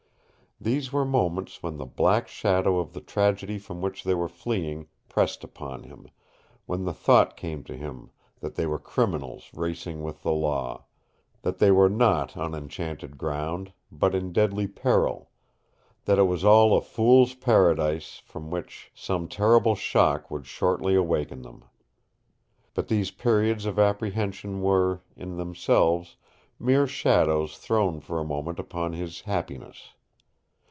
These were moments when the black shadow of the tragedy from which they were fleeing pressed upon him, when the thought came to him that they were criminals racing with the law; that they were not on enchanted ground, but in deadly peril; that it was all a fools' paradise from which some terrible shock would shortly awaken him. But these periods of apprehension were, in themselves, mere shadows thrown for a moment upon his happiness.